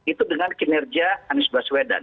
itu dengan kinerja anies baswedan